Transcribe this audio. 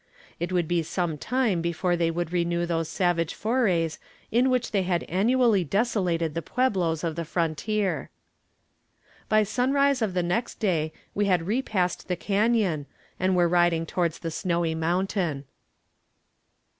It would be some time before they would renew those savage forays in which they had annually desolated the pueblos of the frontier. By sunrise of the next day we had repassed the canon, and were riding towards the snowy mountain.